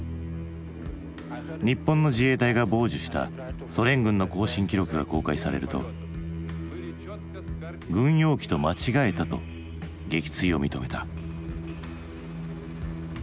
日本の自衛隊が傍受したソ連軍の交信記録が公開されると「軍用機と間違えた」と撃墜を認めた。